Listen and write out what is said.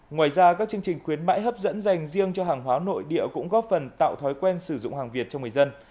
ngoài ra các chương trình khuyến mãi hấp dẫn dành riêng cho hàng hóa nội địa cũng góp phần tạo thói quen sử dụng hàng việt cho người dân